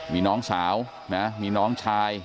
มีน้องสาวนะมีน้องชาย